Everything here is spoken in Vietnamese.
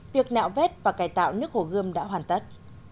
việc nạo vét và cải tạo nước hồ gươm đã hoàn tất